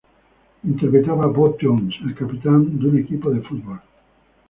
Interpretaba a Bob Jones, el capitán de un equipo de fútbol.